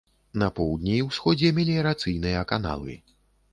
На поўдні і ўсходзе меліярацыйныя каналы.